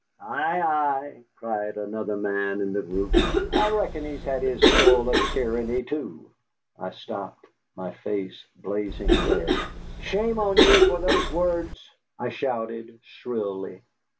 "Ay, ay," cried another man in the group, "I reckon he's had his full of tyranny, too." I stopped, my face blazing red. "Shame on you for those words!" I shouted shrilly.